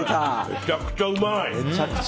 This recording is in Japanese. めちゃくちゃうまい！